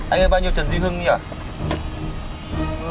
anh ơi bao nhiêu trần dưới hương nhỉ